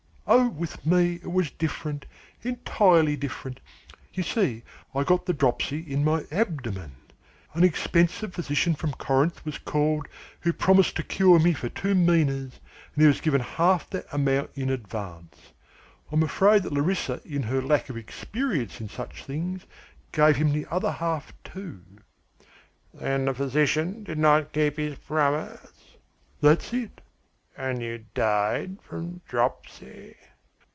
"Oh, with me, it was different, entirely different! You see I got the dropsy in my abdomen. An expensive physician from Corinth was called who promised to cure me for two minas, and he was given half that amount in advance. I am afraid that Larissa in her lack of experience in such things gave him the other half, too " "Then the physician did not keep his promise?" "That's it." "And you died from dropsy?"